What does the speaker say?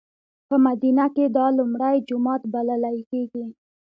په مدینه کې دا لومړی جومات بللی کېږي.